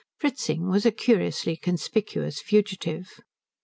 Fritzing was a curiously conspicuous fugitive.